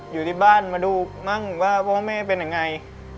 อยู่ที่บ้านมาดูมั่งว่าพ่อแม่เป็นยังไง